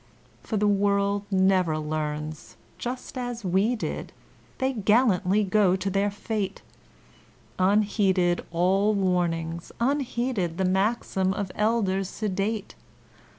For the world never learns just as we did, They gallantly go to their fate, Unheeded all warnings, unheeded The maxims of elders sedate.